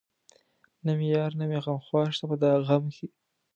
نه مې يار نه مې غمخوار شته په دا غم کې